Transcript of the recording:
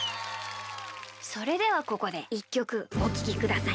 それではここで１きょくおききください。